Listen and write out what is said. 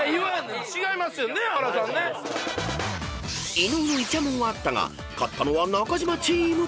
［伊野尾のいちゃもんはあったが勝ったのは中島チーム］